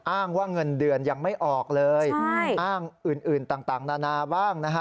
อ้างว่าเงินเดือนยังไม่ออกเลยอ้างอื่นต่างนานาบ้างนะฮะ